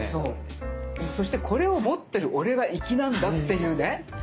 そしてこれを持ってる俺は粋なんだっていうね。